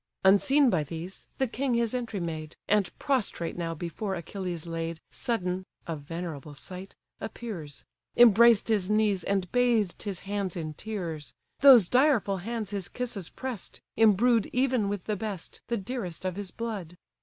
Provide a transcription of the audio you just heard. Unseen by these, the king his entry made: And, prostrate now before Achilles laid, Sudden (a venerable sight!) appears; Embraced his knees, and bathed his hands in tears; Those direful hands his kisses press'd, embrued Even with the best, the dearest of his blood!